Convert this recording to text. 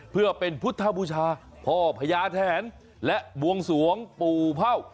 เพื่อเป็นพุทธบูชาพ่อพญาแทนและบวงสวงปู่เผ่า